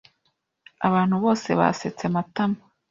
Abantu bose basetse Matama.